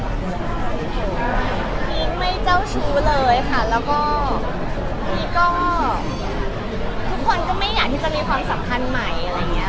พีคไม่เจ้าชู้เลยค่ะแล้วก็พีคก็ทุกคนก็ไม่อยากที่จะมีความสัมพันธ์ใหม่อะไรอย่างนี้